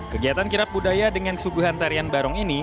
kegiatan kirap budaya dengan suguhan tarian barong ini